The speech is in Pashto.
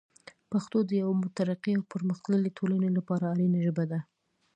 پښتو د یوه مترقي او پرمختللي ټولنې لپاره اړینه ژبه ده.